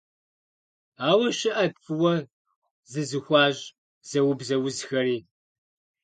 Ауэ щыӏэт фӏыуэ зызыхуащӏ, зэубзэ узхэри.